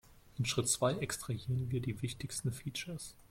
In Schritt zwei extrahieren wir die wichtigsten Features.